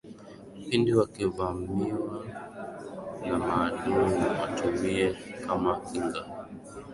pindi wakivamiwa na maadui watumie kama kinga